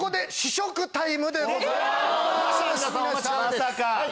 まさか？